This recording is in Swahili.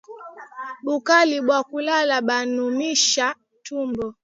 Bukali bwa kulala bunaumishaka ntumbo